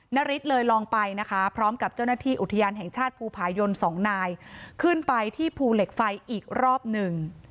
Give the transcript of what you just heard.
นาริสเลยลองไปนะคะพร้อมกับเจ้าหน้าที่อุทยานแห่งชาติภูผายนสองนายขึ้นไปที่ภูเหล็กไฟอีกรอบหนึ่ง